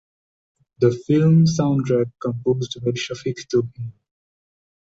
The film soundtrack composed by Shafiq Tuhin.